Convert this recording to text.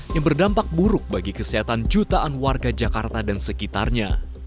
yang berdampak buruk bagi kesehatan jutaan warga jakarta dan sekitarnya